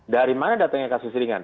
dari mana datangnya kasus ringan